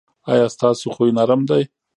ایا ستاسو خوی نرم دی؟